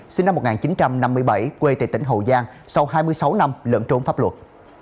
sinh năm một nghìn chín trăm năm mươi bảy quê tại tỉnh hậu giang sau hai mươi sáu năm lẫn trốn pháp luật